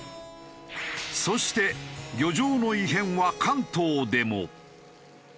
そして漁場の異変は関東でも。